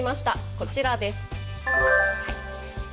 こちらです。